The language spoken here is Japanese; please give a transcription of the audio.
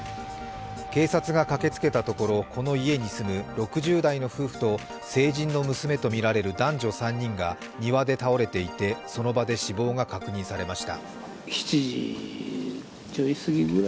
警察が駆けつけたところ、この家に住む６０代の夫婦と成人の娘とみられる男女３人が庭で倒れていてその場で死亡が確認されました。